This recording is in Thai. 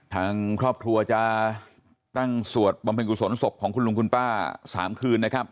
ทางครอบครัวจะตั้งสวดบำเพ็ญกุศลศพของคุณลุงคุณป้า๓คืนนะครับ